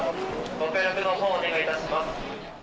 ご協力のほうお願いいたします。